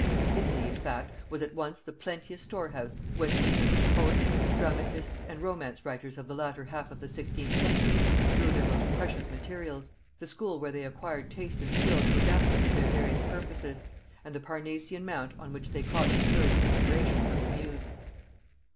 Italy, in fact, was at once the plenteous store house whence the English poets, dramatists and romance writers of the latter half of the sixteenth century drew their most precious materials; the school where they acquired taste and skill to adapt them to their various purposes; and the Parnassian mount on which they caught the purest inspirations of the muse.